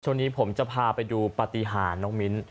ช่วงนี้ผมจะพาไปดูปฏิหารน้องมิ้น